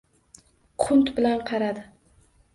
Qunt bilan qaradi.